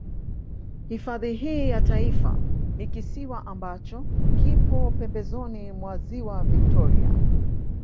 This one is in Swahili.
Hifadhi hii ya Taifa ni kisiwa ambacho kipo pembezoni mwa Ziwa Victoria